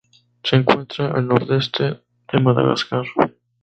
Se encuentran al nordeste de Madagascar.